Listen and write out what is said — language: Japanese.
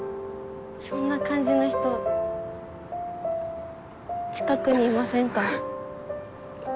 そんな感じの人近くにいませんか？